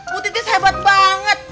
mutitis hebat banget